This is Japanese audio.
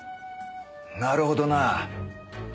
なるほどなぁ。